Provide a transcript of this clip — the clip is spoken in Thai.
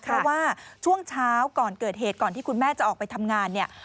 เพราะว่าช่วงเช้าก่อนเกิดเหตุก่อนที่คุณแม่จะออกไปทำงานเนี่ย